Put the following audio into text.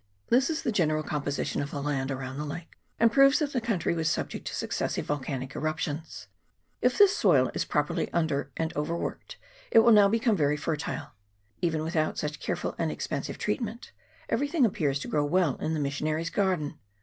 This is the general composition of the land around the lake, and proves that the country was subject to successive volcanic eruptions. If this soil is pro perly under and over worked, it will become very fertile. Even without such careful and expensive treatment, everything appears to grow well in the missionary's garden.